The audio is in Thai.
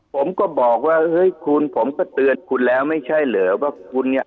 ผมก็บอกว่าเฮ้ยคุณผมก็เตือนคุณแล้วไม่ใช่เหรอว่าคุณเนี่ย